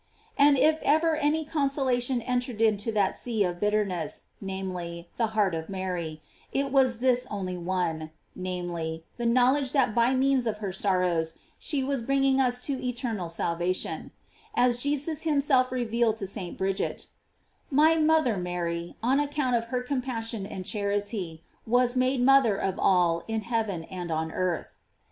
And if ever any consolation entered into that sea of bit terness, namely, the heart of Mary, it was this only one; namely, the knowledge that by means of her sorrows, she was bringing us to eternal salvation; as Jesus himself revealed to St. Brid get: "My mother Mary, on account of her com passion and charity, was made mother of all in heaven and on earth.